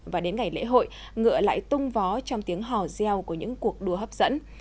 và đến ngày lễ hội ngựa lại tung vó trong tiếng hò reo của những cuộc đua hấp dẫn